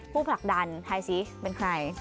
ผู้ผลักดันถ่ายซิเป็นใคร